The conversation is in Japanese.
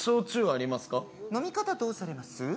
飲み方、どうされます？